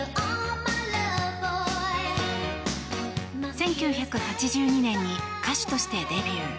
１９８２年に歌手としてデビュー。